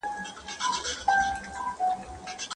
عزل د اولادونو د قتل سره تشبيه سوی دی.